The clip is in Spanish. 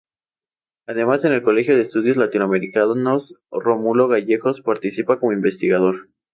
Además en el Centro de Estudios Latinoamericanos Rómulo Gallegos participa como investigador.